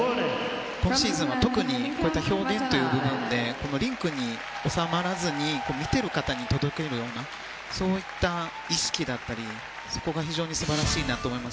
今シーズンは特にこういった表現という部分でリンクに収まらずに見ている方に届けるようなそういった意識だったりそこが非常に素晴らしいなと思います。